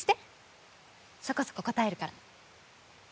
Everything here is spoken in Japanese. そこそこ答えるから。